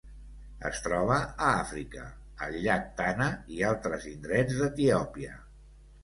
Es troba a Àfrica: el llac Tana i altres indrets d'Etiòpia.